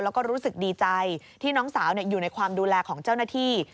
แล้วก็รู้สึกดีใจที่น้องสาวอยู่ในความดูแลของเจ้าหน้าที่